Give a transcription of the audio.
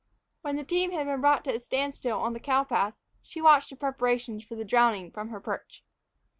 When the team had been brought to a standstill on the cow path, she watched the preparations for the drowning from her perch.